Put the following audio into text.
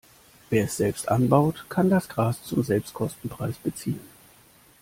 Wer es selbst anbaut, kann das Gras zum Selbstkostenpreis beziehen.